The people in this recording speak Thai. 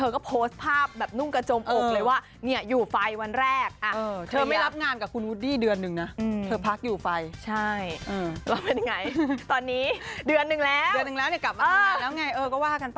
ก็รูเขาแก่มสารเปล่าอะนะครับ